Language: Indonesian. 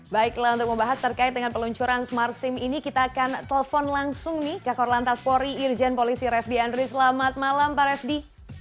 baiklah untuk membahas terkait dengan peluncuran smart sim ini kita akan telepon langsung nih kak korlantas polri irjen polisi refdy andri selamat malam pak refdy